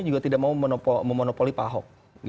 juga tidak mau memonopolitikannya